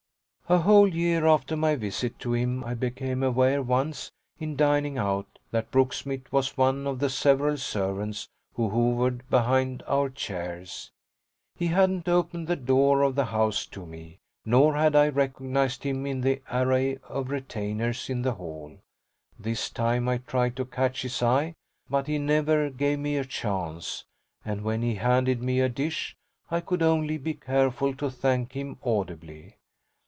A whole year after my visit to him I became aware once, in dining out, that Brooksmith was one of the several servants who hovered behind our chairs. He hadn't opened the door of the house to me, nor had I recognised him in the array of retainers in the hall. This time I tried to catch his eye, but he never gave me a chance, and when he handed me a dish I could only be careful to thank him audibly.